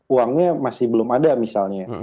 uangnya masih belum ada misalnya